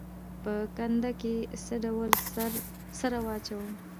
په کنده کې څه ډول سره واچوم؟